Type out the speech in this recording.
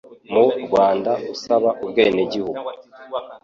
mu Rwanda usaba ubwenegihugu.